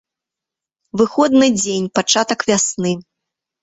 Выходны дзень, пачатак вясны.